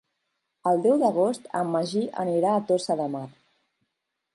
El deu d'agost en Magí anirà a Tossa de Mar.